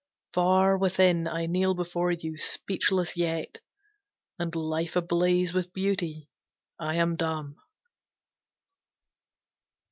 Far Within I kneel before you, speechless yet, And life ablaze with beauty, I am dumb.